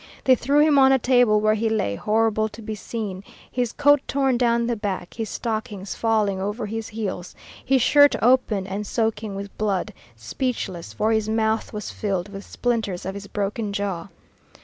They threw him on a table, where he lay, horrible to be seen, his coat torn down the back, his stockings falling over his heels, his shirt open and soaking with blood, speechless, for his mouth was filled with splinters of his broken jaw.